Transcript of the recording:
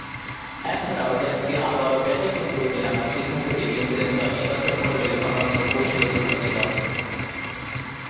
এছাড়াও, জেমসকে আবারও ব্যাটিং উদ্বোধনে নামার সিদ্ধান্তটি নিউজিল্যান্ড দল নির্বাচকমণ্ডলীর অন্যতম কৌশল গ্রহণ ছিল।